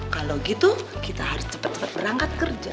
kalo gitu kita harus cepet cepet berangkat kerja